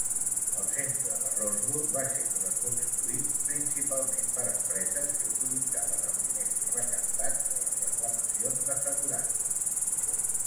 El centre de Roseburg va ser reconstruït, principalment per empreses que utilitzaven els diners recaptats de les reclamacions d'assegurances.